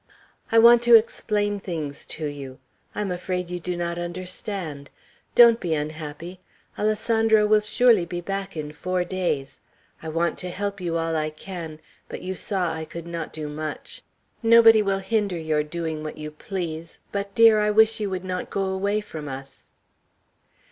I want to explain things to you. I am afraid you do not understand. Don't be unhappy. Alessandro will surely be back in four days. I want to help you all I can, but you saw I could not do much. Nobody will hinder your doing what you please; but, dear, I wish you would not go away from us!"